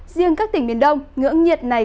riêng các tỉnh miền đông ngưỡng nhiệt này